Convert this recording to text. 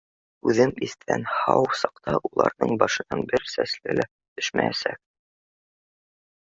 Үҙем иҫән-һау саҡта уларҙың башынан бер сәсе лә төшмәйәсәк!